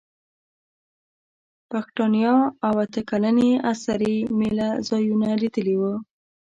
پښتیاڼا او اته کلنې اسرې مېله ځایونه لیدلي ول.